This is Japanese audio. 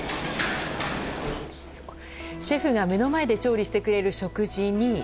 シェフが、目の前で調理してくれる食事に。